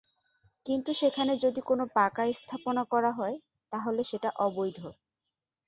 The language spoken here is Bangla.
কিন্তু সেখানে যদি কোনো পাকা স্থাপনা করা হয়, তাহলে সেটা অবৈধ।